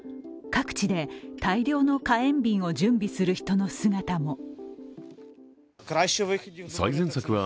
各地で、大量の火炎瓶を準備する人の姿も。